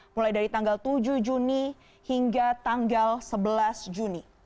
mulai dari tanggal tujuh juni hingga tanggal sebelas juni